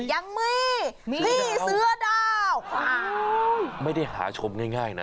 ยังมีพี่เสื้อดาวไม่ได้หาชมง่ายนะ